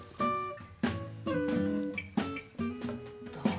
どう？